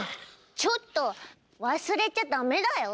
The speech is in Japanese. ちょっと忘れちゃダメだよ。